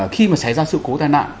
khi mà xảy ra sự cố tai nạn